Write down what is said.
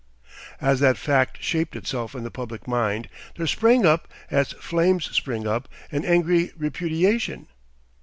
As that fact shaped itself in the public mind, there sprang up, as flames spring up, an angry repudiation.